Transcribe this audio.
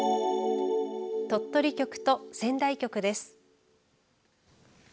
鳥取局と仙台局です。